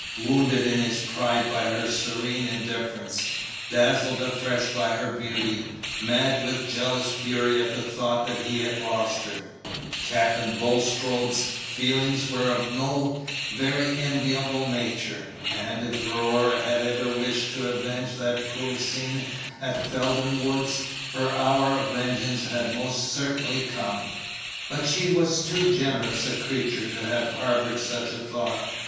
Wounded in his pride by her serene indifference, dazzled afresh by her beauty, mad with jealous fury at the thought that he had lost her, Captain Bulstrode's feelings were of no very enviable nature; and, if Aurora had ever wished to avenge that cruel scene at Felden Woods, her hour of vengeance had most certainly come. But she was too generous a creature to have harbored such a thought.